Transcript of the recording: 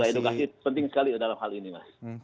itu lah edukasi penting sekali dalam hal ini mas